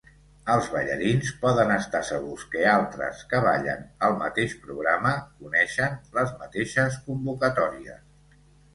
Els ballarins poden estar segurs que altres que ballen el mateix programa coneixen les mateixes convocatòries.